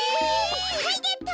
はいゲット！